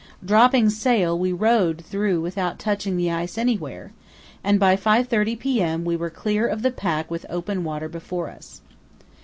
Dropping sail, we rowed through without touching the ice anywhere, and by 5.30 p.m. we were clear of the pack with open water before us.